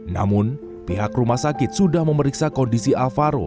namun pihak rumah sakit sudah memeriksa kondisi alvaro